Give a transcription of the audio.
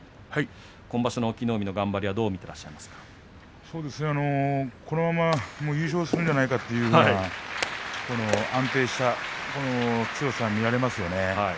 今場所の隠岐の海の頑張りはこのまま優勝するんじゃないかというような安定した強さが見られますよね。